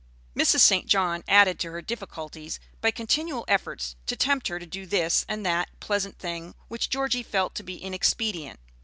Mrs. St. John added to her difficulties by continual efforts to tempt her to do this and that pleasant thing which Georgie felt to be inexpedient.